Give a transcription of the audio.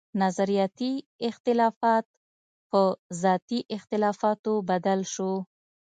نظرياتي اختلافات پۀ ذاتي اختلافاتو بدل شو